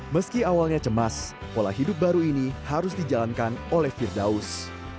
meski awalnya cemas pola hidup baru ini harus dijalankan oleh firdaus